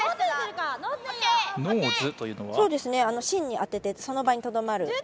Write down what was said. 芯に当ててその場にとどまる。